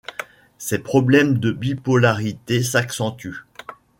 Ses problèmes de bipolarité s'accentuent.